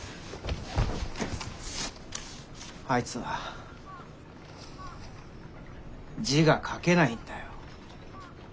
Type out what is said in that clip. あいつは字が書けないんだよ。